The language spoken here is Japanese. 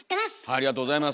ありがとうございます！